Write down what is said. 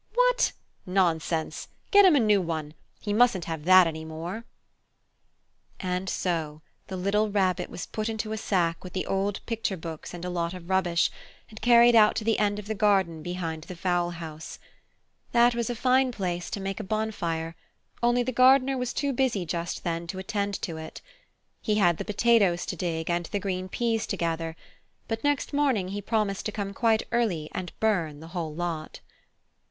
What? Nonsense! Get him a new one. He mustn't have that any more!" Anxious Times And so the little Rabbit was put into a sack with the old picture books and a lot of rubbish, and carried out to the end of the garden behind the fowl house. That was a fine place to make a bonfire, only the gardener was too busy just then to attend to it. He had the potatoes to dig and the green peas to gather, but next morning he promised to come quite early and burn the whole lot.